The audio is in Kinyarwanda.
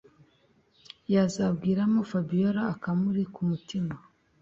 yazabw’iramo fabiora akamuri kumutima.